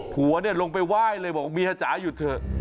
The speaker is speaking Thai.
ผัวเนี่ยลงไปไหว้เลยบอกเมียจ๋าหยุดเถอะ